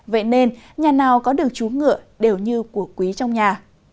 vậy nên nhà nào có được chú ngựa đều như của quý trong nhà